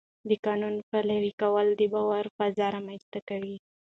د قانون پلي کول د باور فضا رامنځته کوي